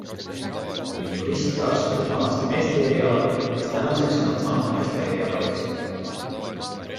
Kui jurist ja arst olid vanasti meeste erialad, siis tänaseks on nad saanud naiste erialadeks.